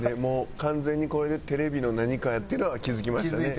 完全にこれでテレビの何かやっていうのは気付きましたね。